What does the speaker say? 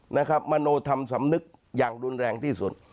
นะครับมโนทำสำนึกอย่างรุนแรงที่สุด